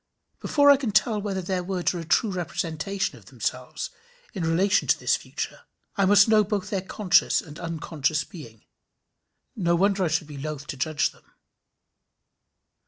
Before I can tell whether their words are a true representation of themselves, in relation to this future, I must know both their conscious and unconscious being. No wonder I should be loath to judge them.